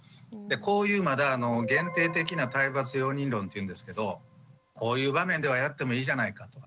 こういうまだあの限定的な体罰容認論っていうんですけどこういう場面ではやってもいいじゃないかと。